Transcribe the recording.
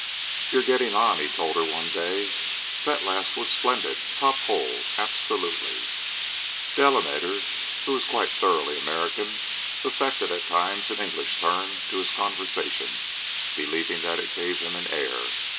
"You're getting on," he told her, one day. "That last was splendid top hole, absolutely." Delamater, who was quite thoroughly American, affected at times an English turn to his conversation, believing that it gave him an air.